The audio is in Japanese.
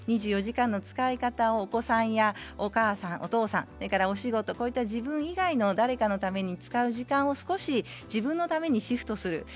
２４時間の使い方をお子さんやお母さん、お父さん、お仕事そういった自分以外の誰かのために使う時間を少し自分のためにシフトする。